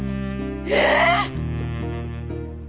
えっ！